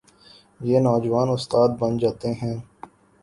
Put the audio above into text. یہ نوجوان استاد بن جاتے ہیں۔